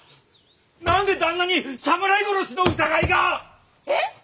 何で旦那に侍殺しの疑いが？えっ！？